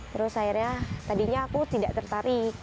terus akhirnya tadinya aku tidak tertarik